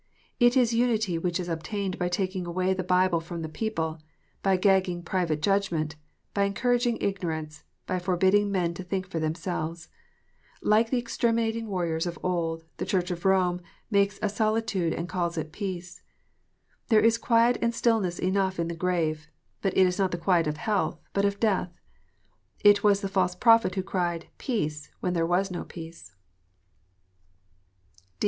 It is unity which is obtained by taking away the Bible from the people, by gagging private judgment, by encouraging ignorance, by forbidding men to think for themselves. Like the exterminating warriors of old, the Church of Borne " makes a solitude and calls it peace." There is quiet and stillness enough in the grave, but it is not the quiet of health, but of death. It was the false prophets who cried "Peace," when there was no peace.